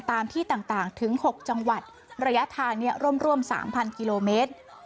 ตามที่ต่างถึง๖จังหวัดระยะทางร่วม๓๐๐กิโลเมตร